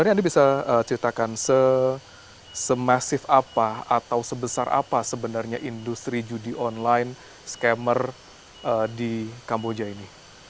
jadi bisa ceritakan se masif apa atau sebesar apa sebenarnya industri judi online skamer di kamboja ini